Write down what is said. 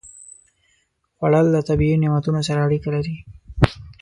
خوړل له طبیعي نعمتونو سره اړیکه لري